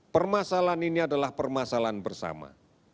permasalahan ini adalah permasalahan bersama